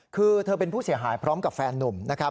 คือเธอเป็นผู้เสียหายพร้อมกับแฟนนุ่มนะครับ